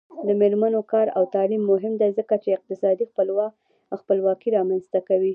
د میرمنو کار او تعلیم مهم دی ځکه چې اقتصادي خپلواکي رامنځته کوي.